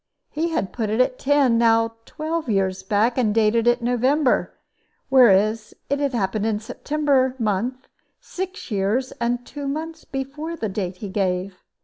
He had put it at ten, now twelve, years back, and dated it in November, whereas it had happened in September month, six years and two months before the date he gave.